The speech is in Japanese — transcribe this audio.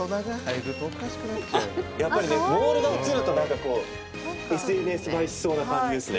あ、やっぱりボールが写るとなんかこうＳＮＳ映えしそうな感じですね。